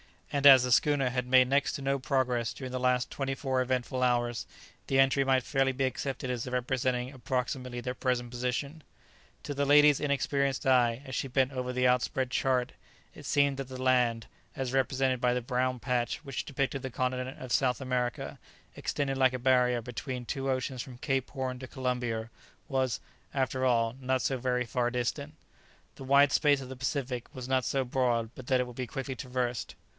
and as the schooner had made next to no progress during the last twenty four eventful hours, the entry might fairly be accepted as representing approximately their present position. To the lady's inexperienced eye, as she bent over the outspread chart, it seemed that the land, as represented by the brown patch which depicted the continent of South America extending like a barrier between two oceans from Cape Horn to Columbia, was, after all, not so very far distant; the wide space of the Pacific was not so broad but that it would be quickly traversed.